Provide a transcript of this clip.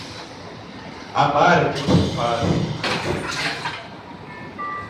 Amar o que você faz é o segredo de tudo.